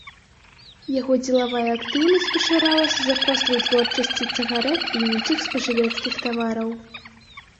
Яго дзелавая актыўнасць пашырылася за кошт вытворчасці цыгарэт і іншых спажывецкіх тавараў.